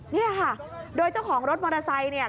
นี่ค่ะโดยเจ้าของรถมอเตอร์ไซค์เนี่ย